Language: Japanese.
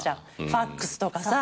ファクスとかさ。